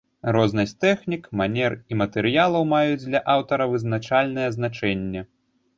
Рознасць тэхнік, манер і матэрыялаў маюць для аўтара вызначальнае значэнне.